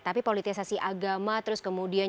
tapi politisasi agama terus kemudian